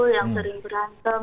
yang sering berantem